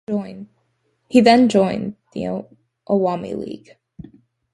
He then joined the Awami League.